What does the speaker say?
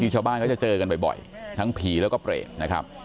ชาวบ้านเขาจะเจอกันบ่อยทั้งผีแล้วก็เปรตนะครับ